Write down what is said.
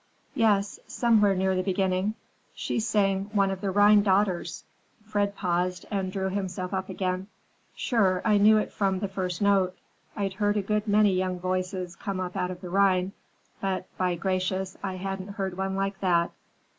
"Yes, somewhere near the beginning. She sang one of the Rhine daughters." Fred paused and drew himself up again. "Sure, I knew it from the first note. I'd heard a good many young voices come up out of the Rhine, but, by gracious, I hadn't heard one like that!"